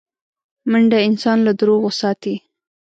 منډه انسان له دروغو ساتي